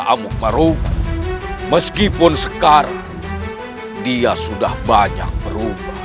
lalu aku dibuang ke dalam jurang